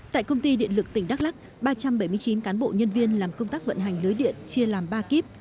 tại công ty điện lực tỉnh đắk lắc ba trăm bảy mươi chín cán bộ nhân viên làm công tác vận hành lưới điện chia làm ba kíp